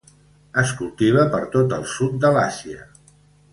Es cultiva per tot el sud de l'Àsia: